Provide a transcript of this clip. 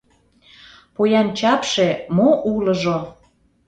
Поян чапше, мо улыжо